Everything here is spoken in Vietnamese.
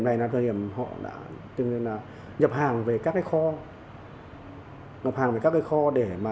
đây vốn dĩ là những mật hàng có sức khỏe